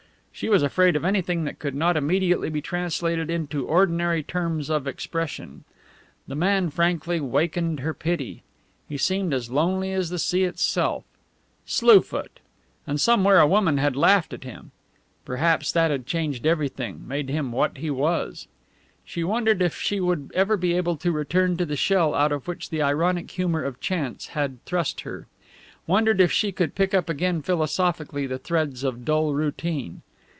She was afraid of anything that could not immediately be translated into ordinary terms of expression. The man frankly wakened her pity. He seemed as lonely as the sea itself. Slue Foot! And somewhere a woman had laughed at him. Perhaps that had changed everything, made him what he was. She wondered if she would ever be able to return to the shell out of which the ironic humour of chance had thrust her. Wondered if she could pick up again philosophically the threads of dull routine.